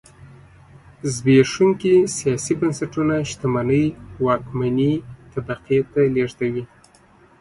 زبېښونکي سیاسي بنسټونه شتمنۍ واکمنې طبقې ته لېږدوي.